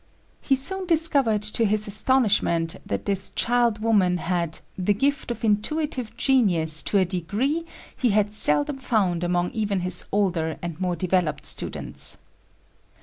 He soon discovered to his astonishment that this child woman had "the gift of intuitive genius to a degree he had seldom found among even his older and more developed students."